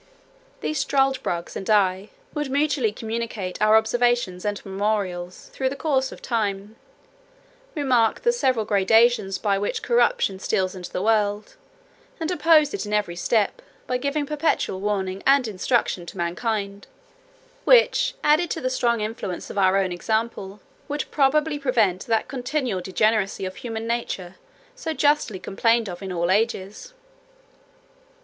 "These struldbrugs and I would mutually communicate our observations and memorials, through the course of time; remark the several gradations by which corruption steals into the world, and oppose it in every step, by giving perpetual warning and instruction to mankind; which, added to the strong influence of our own example, would probably prevent that continual degeneracy of human nature so justly complained of in all ages.